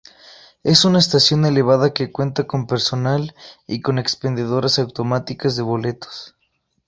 Es una estación elevada que cuenta con personal y con expendedoras automáticas de boletos.